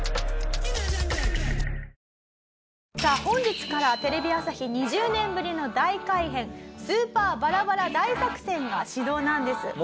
本日からテレビ朝日２０年ぶりの大改編スーパーバラバラ大作戦が始動なんです。